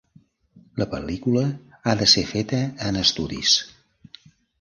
La pel·lícula ha de ser feta en estudis.